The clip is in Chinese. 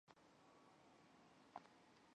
普罗旺斯地区特朗人口变化图示